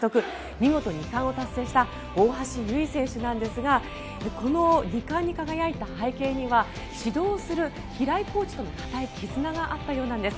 見事２冠を達成した大橋悠依選手なんですがこの２冠に輝いた背景には指導する平井コーチとの固い絆があったようなんです。